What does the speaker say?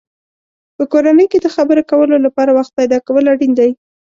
په کورنۍ کې د خبرو کولو لپاره وخت پیدا کول اړین دی.